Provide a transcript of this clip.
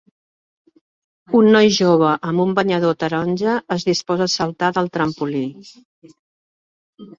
Un noi jove amb un banyador taronja es disposa a saltar del trampolí.